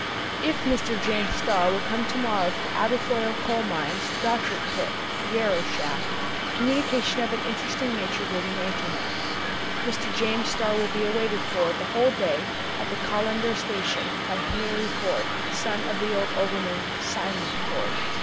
If Mr. James Starr will come to morrow to the Aberfoyle coal mines, Dochart pit, Yarrow shaft, a communication of an interesting nature will be made to him. "Mr. James Starr will be awaited for, the whole day, at the Callander station, by Harry Ford, son of the old overman Simon Ford."